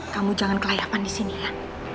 kamu jangan kelayapan disini ya